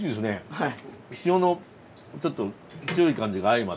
はい。